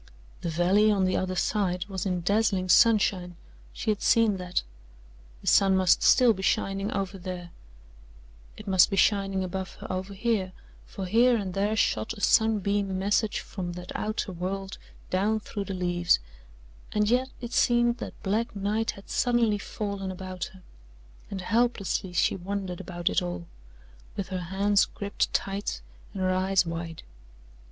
The valley on the other side was in dazzling sunshine she had seen that. The sun must still be shining over there it must be shining above her over here, for here and there shot a sunbeam message from that outer world down through the leaves, and yet it seemed that black night had suddenly fallen about her, and helplessly she wondered about it all, with her hands gripped tight and her eyes wide.